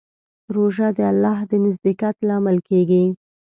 روژه د الله د نزدېکت لامل کېږي.